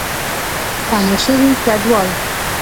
ستانه شوي کډوال